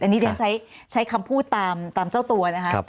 อันนี้เรียนใช้คำพูดตามเจ้าตัวนะครับ